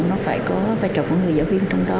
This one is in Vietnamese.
nó phải có vai trò của người giáo viên trong đó